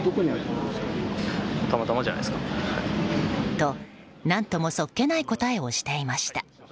と、何ともそっけない答えをしていました。